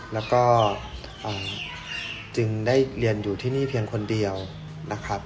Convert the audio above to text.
แล้วก็จึงได้เรียนอยู่ที่นี่เพียงคนเดียวนะครับ